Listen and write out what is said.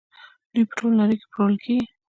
دوی په ټوله نړۍ کې پلورل کیږي.